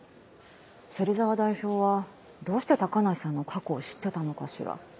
芹沢代表はどうして高梨さんの過去を知ってたのかしら。